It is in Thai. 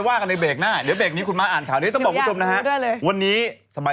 ว่างานเบกบอกว่านี้ต้องบอกรูปว่ามารองเวลา